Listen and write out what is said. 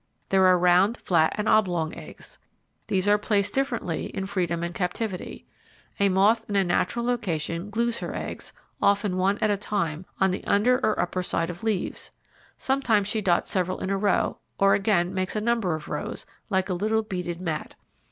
There are round, flat, and oblong eggs. These are placed differently in freedom and captivity. A moth in a natural location glues her eggs, often one at a time, on the under or upper side of leaves. Sometimes she dots several in a row, or again makes a number of rows, like a little beaded mat.